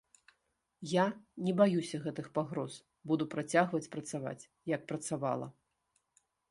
Я не баюся гэтых пагроз, буду працягваць працаваць як працавала.